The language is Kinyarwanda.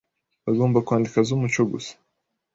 bagomba kwandika z'umuco gusa